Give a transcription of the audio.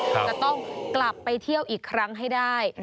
จะต้องกลับไปเที่ยวอีกครั้งให้ได้